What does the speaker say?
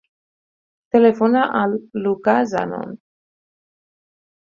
Telefona al Lucà Zanon.